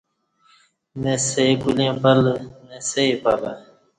نہ سئی کولیں پلہ نہ سئی پلہ